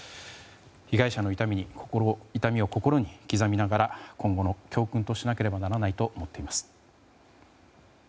被害者の痛みを心に刻みながら今後の教訓としなければならないと思っています。